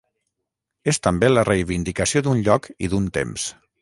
És també la reivindicació d’un lloc i d’un temps.